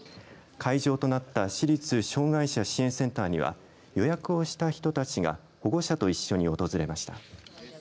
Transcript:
会場となった市立障害者支援センターには予約をした人たちが保護者と一緒に訪れました。